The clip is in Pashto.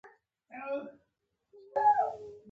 د ورانو شوو کورونو دېوالونه خړ او لوند و.